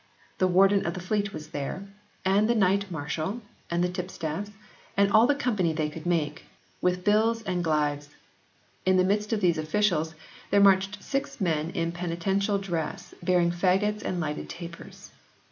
The warden of the Fleet was there, and the knight marshal, and the tipstaffs, and "all the company they could make," with "bills and glaives." In the midst of these officials there marched six men in penitential dresses bearing faggots and lighted tapers.